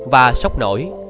và sốc nổi